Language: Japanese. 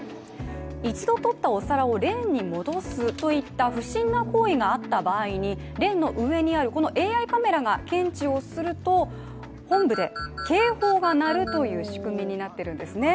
一度取ったお皿をレーンに戻すといった不審な行為があった場合にレーンの上にあるこのＡＩカメラが検知をすると本部で警報が鳴るという仕組みになっているんですね。